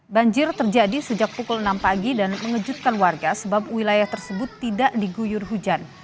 banjir terjadi sejak pukul enam pagi dan mengejutkan warga sebab wilayah tersebut tidak diguyur hujan